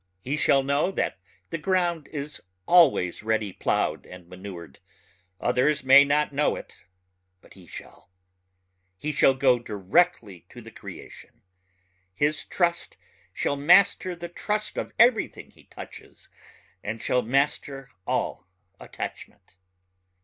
He shall know that the ground is always ready ploughed and manured ... others may not know it but he shall. He shall go directly to the creation. His trust shall master the trust of everything he touches ... and shall master all attachment.